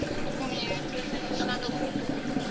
著名演员周采芹是她的姑姑。